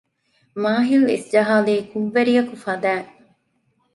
މާހިލް އިސްޖަހާލީ ކުށްވެރިއަކު ފަދައިން